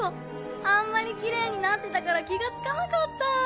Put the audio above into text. あんまりきれいになってたから気がつかなかった。